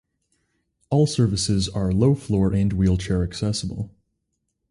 All services are low floor and wheelchair accessible.